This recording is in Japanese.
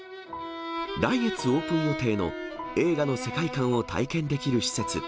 来月オープン予定の映画の世界観を体験できる施設。